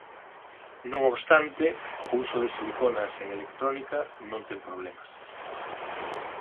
Non obstante o uso de siliconas en electrónica non ten problemas.